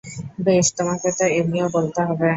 বেশ তোমাকে তো এমনি ও বলতে হবে।